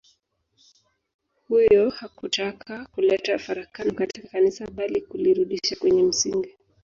Huyo hakutaka kuleta farakano katika Kanisa bali kulirudisha kwenye msingi